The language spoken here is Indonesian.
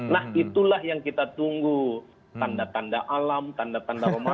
nah itulah yang kita tunggu tanda tanda alam tanda tanda ramadan